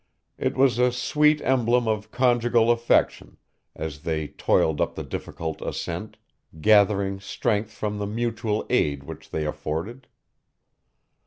It was a sweet emblem of conjugal affection, as they toiled up the difficult ascent, gathering strength from the mutual aid which they afforded.